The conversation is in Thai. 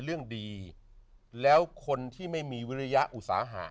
เรื่องดีแล้วคนที่ไม่มีวิริยอุตสาหะ